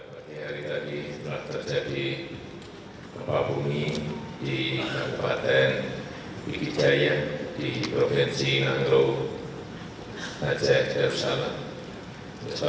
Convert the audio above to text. pada hari tadi telah terjadi gempa bumi di kabupaten pindijaya di provinsi nanggro aceh darussalam